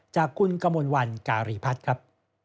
จากคุณกมลวันการีพัฒน์ครับ